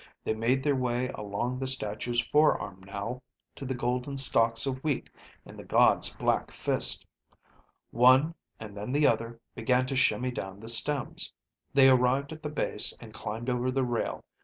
They made their way along the statue's forearm now, to the golden stalks of wheat in the god's black fist. One, and then the other began to shimmy down the stems. They arrived at the base and climbed over the rail.